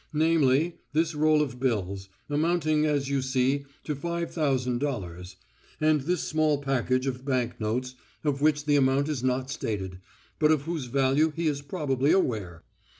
"Namely, this roll of bills, amounting as you see to five thousand dollars, and this small package of banknotes, of which the amount is not stated, but of whose value he is probably aware.